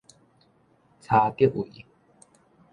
柴竹圍